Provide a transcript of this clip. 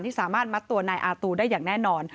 สามารถมัดตัวนายอาตูได้อย่างแน่นอน